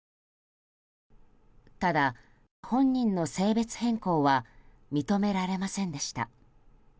ただ、本人の性別変更は認められませんでした。